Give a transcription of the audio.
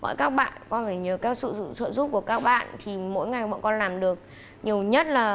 gọi các bạn con phải nhờ các sự trợ giúp của các bạn thì mỗi ngày bọn con làm được nhiều nhất là